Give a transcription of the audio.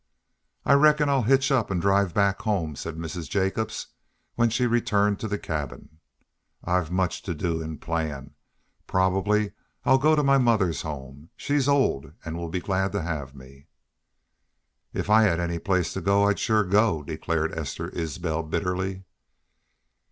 "I reckon I'll hitch up an' drive back home," said Mrs. Jacobs, when she returned to the cabin. "I've much to do an' plan. Probably I'll go to my mother's home. She's old an' will be glad to have me." "If I had any place to go to I'd sure go," declared Esther Isbel, bitterly.